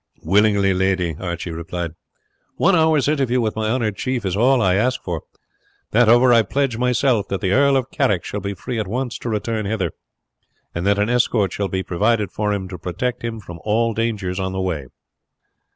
"Willingly, lady," Archie replied. "One hour's interview with my honoured chief is all I ask for. That over, I pledge myself that the Earl of Carrick shall be free at once to return hither, and that an escort shall be provided for him to protect him from all dangers on the way."